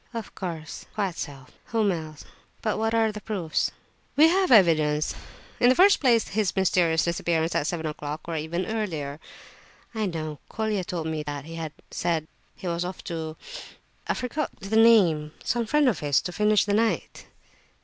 "Of course—quite so, whom else? But what are the proofs?" "We have evidence. In the first place, his mysterious disappearance at seven o'clock, or even earlier." "I know, Colia told me that he had said he was off to—I forget the name, some friend of his, to finish the night."